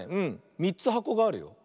３つはこがあるよ。